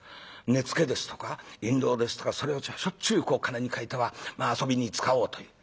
根付けですとか印籠ですとかそれをしょっちゅう金に換えては遊びに使おうという。